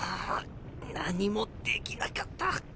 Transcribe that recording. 何もできなかった。